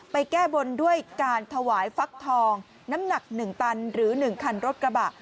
แก้บนด้วยการถวายฟักทองน้ำหนัก๑ตันหรือ๑คันรถกระบะ